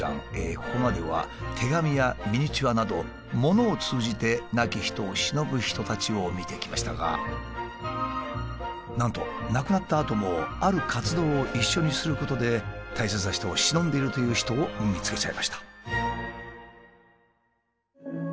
ここまでは手紙やミニチュアなど物を通じて亡き人をしのぶ人たちを見てきましたがなんと亡くなったあともある活動を一緒にすることで大切な人をしのんでいるという人を見つけちゃいました。